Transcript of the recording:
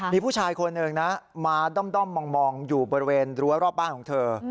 มีผู้ชายคนหนึ่งนะมาด้อมมองอยู่บริเวณรั้วรอบบ้านของเธอ